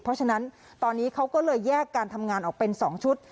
เพราะฉะนั้นตอนนี้เขาก็เลยแยกการทำงานออกเป็น๒ชุด